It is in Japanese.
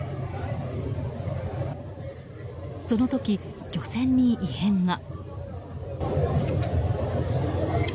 その時、漁船に異変が。